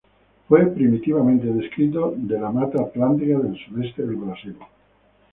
Fue primitivamente descrito de la mata Atlántica del sudeste del Brasil.